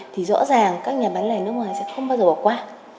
thì rõ ràng các nhà bán lẻ nước ngoài sẽ không bao giờ bỏ qua